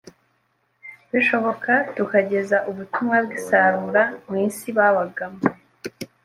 bishoboka, tukageza ubutumwa bw’isarura mu isi babagamo